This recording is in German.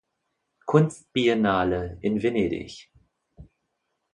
Kunstbiennale in Venedig.